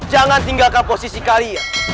jangan tinggalkan posisi kalian